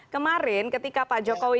kemarin ketika pak jokowi